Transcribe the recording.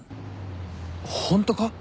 ホントか？